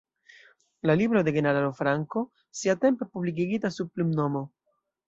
La libro de generalo Franco, siatempe publikigita sub plumnomo.